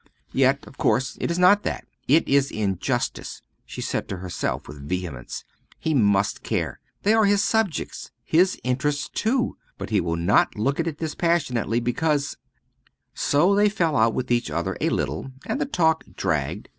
"Yet, of course, it is not that; it is injustice!" she said to herself, with vehemence. "He must care; they are his subjects, his interests too. But he will not look at it dispassionately, because " So they fell out with each other a little, and the talk dragged.